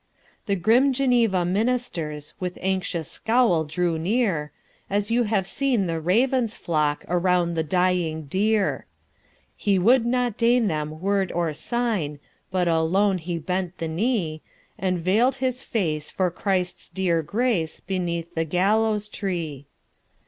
The grim Geneva ministersWith anxious scowl drew near, As you have seen the ravens flockAround the dying deer. He would not deign them word nor sign, But alone he bent the knee, And veil'd his face for Christ's dear graceBeneath the gallows tree.